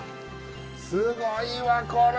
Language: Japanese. すごいわこれ！